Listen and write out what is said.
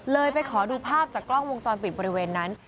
ไปขอดูภาพจากกล้องวงจรปิดบริเวณนั้น